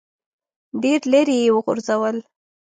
ډېر لیرې یې وغورځول.